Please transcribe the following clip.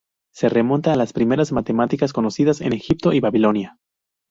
Se remonta a las primeras matemáticas conocidas, en Egipto y Babilonia.